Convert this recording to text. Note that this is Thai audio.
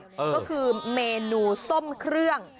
ก็คือเมนูส้มเครื่อง